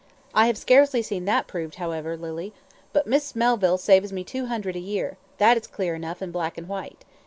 I have scarcely seen that proved, however, Lily; but Miss Melville saves me two hundred a year that is clear enough, in black and white.